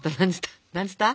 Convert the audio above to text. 何つった？